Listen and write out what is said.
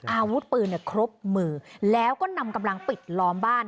อาวุธปืนครบมือแล้วก็นำกำลังปิดล้อมบ้าน